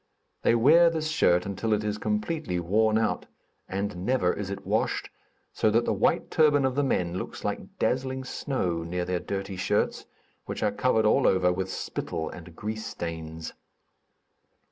They wear this shirt until it is completely worn out, and never is it washed, so that the white turban of the men looks like dazzling snow near their dirty shirts, which are covered all over with spittle and grease stains.